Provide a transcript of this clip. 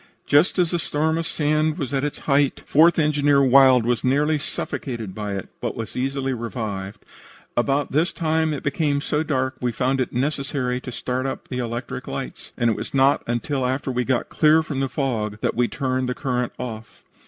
"Just as the storm of sand was at its height, Fourth Engineer Wild was nearly suffocated by it, but was easily revived. About this time it became so dark that we found it necessary to start up the electric lights, and it was not until after we got clear from the fog that we turned the current off.